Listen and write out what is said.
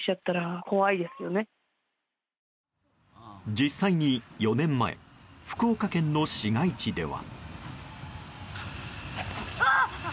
実際に４年前福岡県の市街地では。